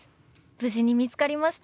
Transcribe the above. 無事に見つかりました。